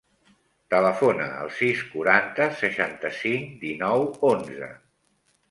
Telefona al sis, quaranta, seixanta-cinc, dinou, onze.